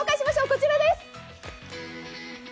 こちらです！